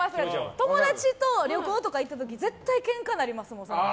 友達と旅行に行った時絶対けんかになりますもん。